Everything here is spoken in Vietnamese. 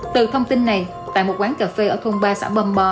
từ thông tin này tại một quán cà phê ở thôn ba xã bâm bò